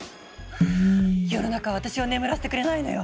世の中は私を眠らせてくれないのよ！